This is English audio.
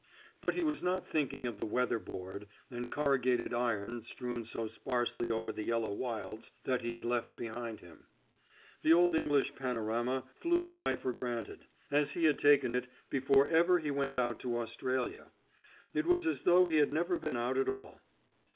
But he was not thinking of the weather board and corrugated iron strewn so sparsely over the yellow wilds that he had left behind him. The old English panorama flew by for granted, as he had taken it before ever he went out to Australia. It was as though he had never been out at all.